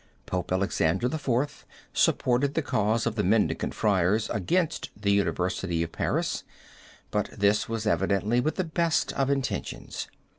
Pope Alexander IV. supported the cause of the Mendicant Friars against the University of Paris, but this was evidently with the best of intentions.